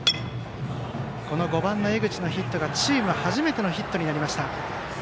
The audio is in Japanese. この５番の江口のヒットがチーム初めてのヒットになりました。